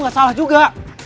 gak salah juga